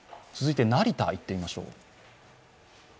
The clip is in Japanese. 続いて成田いってみましょう。